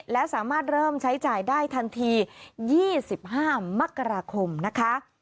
และสามารถเริ่มใช้จ่ายได้ทันที๒๕มกราคมนะคะ